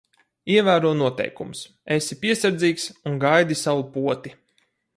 Ievēro noteikumus, esi piesardzīgs un gaidi savu poti.